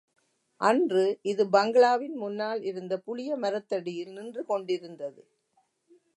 அன்று, இது பங்களாவின் முன்னால் இருந்த புளிய மரத்தடியில் நின்று கொண்டிருந்தது.